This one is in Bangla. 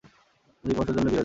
তিনি পড়াশোনার জন্য বিলেত যান।